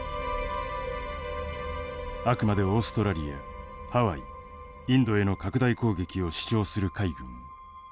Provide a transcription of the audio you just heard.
あくまでオーストラリアハワイインドへの拡大攻撃を主張する海軍。